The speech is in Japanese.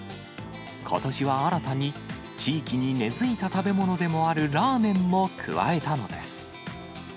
ことしは新たに地域に根づいた食べ物でもあるラーメンも加えたのです。